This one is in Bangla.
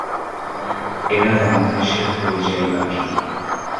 এরা বাংলাদেশের পরিযায়ী পাখি।